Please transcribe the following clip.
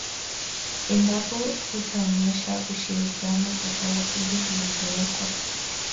Endapo hutaonyesha ushirikiano kwa taratibu zilizowekwa